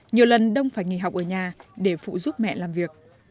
nhiều lần đông phải nghỉ học ở nhà để phụ giúp mẹ làm việc